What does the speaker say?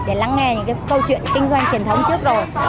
để lắng nghe những cái câu chuyện kinh doanh truyền thống trước rồi